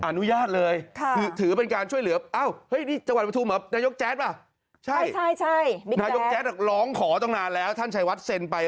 อห์นุญาตเลยถือเป็นการช่วยเหลืออ้าวให้จักรปฐุมนายกแก๊สป่ะใช่ใช่แปลว่าหลองขอต้องนานแล้วท่านท้ายวัตรเซ็นไพ